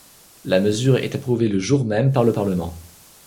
La mesure est approuvée le jour-même par le parlement.